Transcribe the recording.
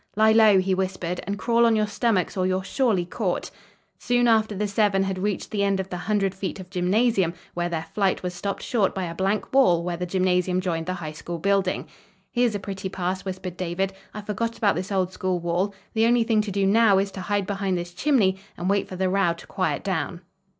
"Lie low," he whispered, "and crawl on your stomachs, or you're surely caught." Soon after the seven had reached the end of the hundred feet of gymnasium, where their flight was stopped short by a blank wall where the gymnasium joined the High School building. "Here's a pretty pass," whispered David. "I forgot about this old school wall. The only thing to do, now, is to hide behind this chimney and wait for the row to quiet down."